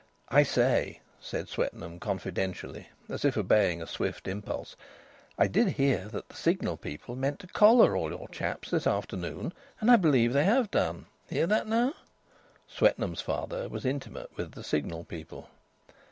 "I say," said Swetnam, confidentially, as if obeying a swift impulse, "I did hear that the Signal people meant to collar all your chaps this afternoon, and I believe they have done. Hear that now?" (Swetnam's father was intimate with the Signal people.)